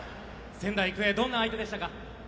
仙台育英、どんな相手でした？